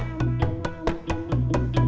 gak ada kecocokan